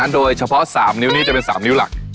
โดยเฉพาะ๓นิ้วนี้จะเป็น๓นิ้วหลัก